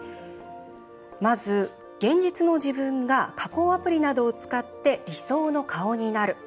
まず、現実の自分が加工アプリなどを使って理想の顔になる。